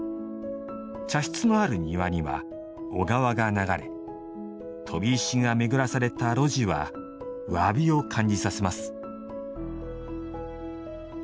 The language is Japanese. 茶室のある庭には小川が流れ飛び石が巡らされた露地は「侘び」を感じさせます。